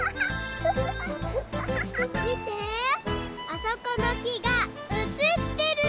あそこのきがうつってる！